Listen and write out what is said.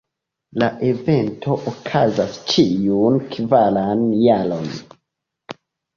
La evento okazas ĉiun kvaran jaron.